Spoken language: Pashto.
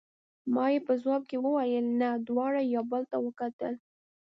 ما یې په ځواب کې وویل: نه، دواړو یو بل ته وکتل.